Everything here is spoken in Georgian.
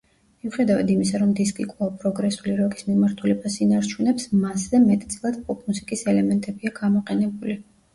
მიუხედავად იმისა, რომ დისკი კვლავ პროგრესული როკის მიმართულებას ინარჩუნებს, მასზე მეტწილად პოპ-მუსიკის ელემენტებია გამოყენებული.